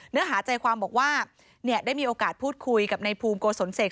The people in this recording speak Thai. เนื้อหาใจความบอกว่าได้มีโอกาสพูดคุยกับในภูมิโกศลเสก